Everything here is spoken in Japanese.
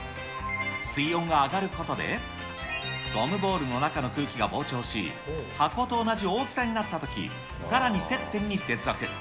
水温が上がることで、ゴムボールの中の空気が膨張し、箱と同じ大きさになったとき、さらに接点に接続。